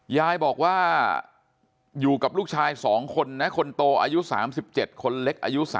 ยายบอกว่าอยู่กับลูกชาย๒คนนะคนโตอายุ๓๗คนเล็กอายุ๓๐